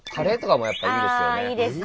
いいですね。